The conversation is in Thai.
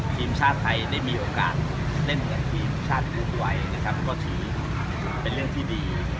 ทีมชาติไทยได้มีโอกาสเล่นเหมือนทีมชาติพูดไว้นะครับก็ถือเป็นเรื่องที่ดี